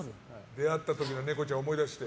出会った時のネコちゃんを思い出して。